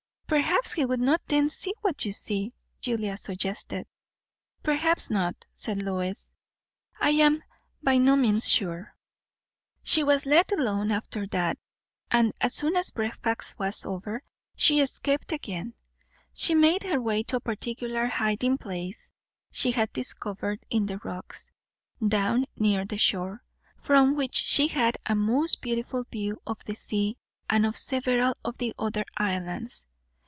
"Perhaps he would not then see what you see," Julia suggested. "Perhaps not," said Lois. "I am by no means sure." She was let alone after that; and as soon as breakfast was over she escaped again. She made her way to a particular hiding place she had discovered, in the rocks, down near the shore; from which she had a most beautiful view of the sea and of several of the other islands.